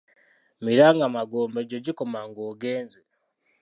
Miranga magombe gye gikoma ng’ogenze.